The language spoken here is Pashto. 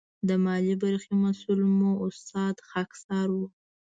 د مالي برخې مسؤل مو استاد خاکسار و.